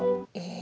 え！